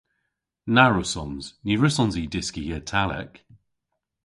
Na wrussons. Ny wrussons i dyski Italek.